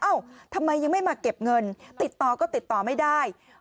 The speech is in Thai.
ทำไมยังไม่มาเก็บเงินติดต่อก็ติดต่อไม่ได้